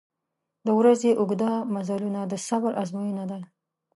• د ورځې اوږده مزلونه د صبر آزموینه ده.